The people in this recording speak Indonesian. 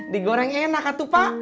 digoreng enak atu pak